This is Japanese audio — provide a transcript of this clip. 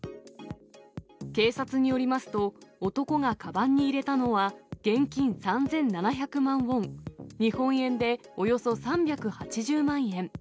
警察によりますと、男がかばんに入れたのは、現金３７００万ウォン、日本円でおよそ３８０万円。